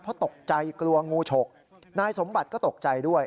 เพราะตกใจกลัวงูฉกนายสมบัติก็ตกใจด้วย